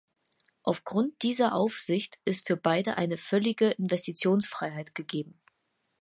Aufgrund dieser Aufsicht ist für beide eine völlige Investitionsfreiheit gegeben.